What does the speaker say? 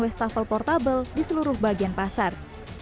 westafel portable di seluruh bagian pasar